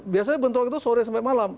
biasanya bentrok itu sore sampai malam